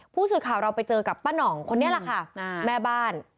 ผู้สื่อข่าวเราไปเจอกับป้าน่องคนนี้แหละค่ะแม่บ้าน